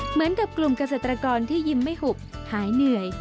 เหมือนกับกลุ่มเกษตรกรที่ยิ้มไม่หุบหายเหนื่อย